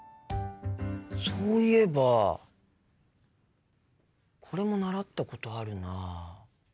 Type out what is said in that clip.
そういえばこれも習ったことあるな。